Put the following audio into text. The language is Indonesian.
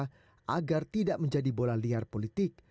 soal reklamasi pantai utara jakarta agar tidak menjadi bola liar politik